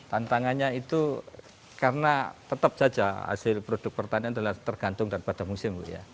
tantangannya itu karena tetap saja hasil produk pertanian adalah tergantung daripada musim